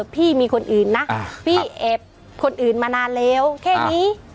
พี่มีคนอื่นนะพี่แอบคนอื่นมานานแล้วแค่นี้